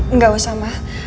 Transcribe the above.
enggak usah ma